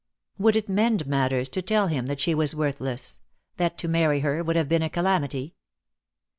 Would it mend matters to tell him that she was worthless, that to marry her would have been a calamity?